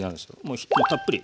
もうたっぷり。